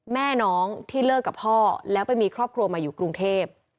แม่น้องที่เลิกกับพ่อแล้วไปมีครอบครัวมาอยู่กรุงเทพ